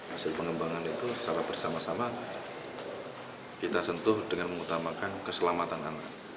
hasil pengembangan itu secara bersama sama kita sentuh dengan mengutamakan keselamatan anak